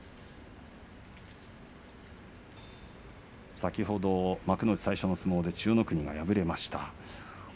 先ほど、幕内最初の相撲で千代の国が敗れました。